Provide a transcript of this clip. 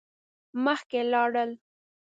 مخکی لاړل.